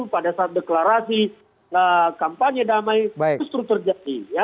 pada saat deklarasi kampanye damai terus terus terjadi